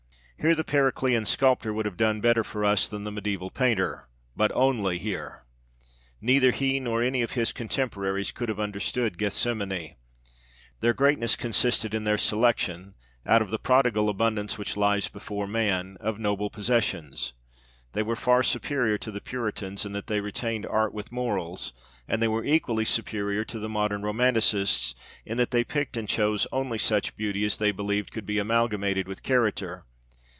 Here the Periclean sculptor would have done better for us than the mediæval painter. But only here. Neither he nor any of his contemporaries could have understood Gethsemane. Their greatness consisted in their selection, out of the prodigal abundance which lies before man, of noble possessions. They were far superior to the Puritans in that they retained art with morals, and they were equally superior to the modern Romanticists in that they picked and chose only such beauty as they believed could be amalgamated with character.